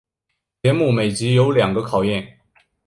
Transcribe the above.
节目每集有两个考验。